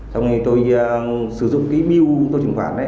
trong này tôi sử dụng cái mưu tôi truyền khoản